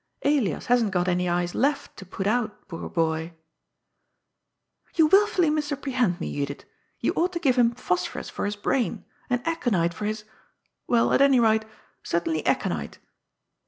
Elias hasn't got any eyes left to put out, poor boy !"" You willfully misapprehend me, Judith. You ought to give him phosphorus for his brain, and aconite for his — well, at any rate, certainly aconite."